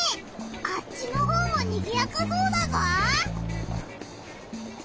あっちのほうもにぎやかそうだぞ！